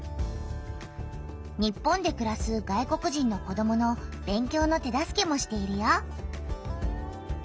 日本でくらす外国人の子どもの勉強の手助けもしているよ。